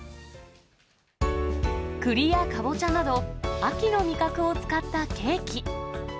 クリやカボチャなど、秋の味覚を使ったケーキ。